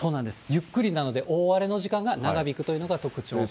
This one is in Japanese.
ゆっくりなので、大荒れの時間が長引くというのが特徴です。